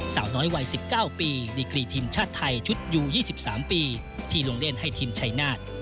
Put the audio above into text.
สาวน้อยวัย๑๙ปีดีกรีทีมชาติไทยชุดยู๒๓ปีที่ลงเล่นให้ทีมชายนาฏ